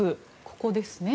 ここですね。